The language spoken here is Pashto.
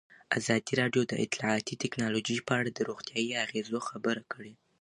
ازادي راډیو د اطلاعاتی تکنالوژي په اړه د روغتیایي اغېزو خبره کړې.